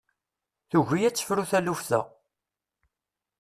Tugi ad tefru taluft-a.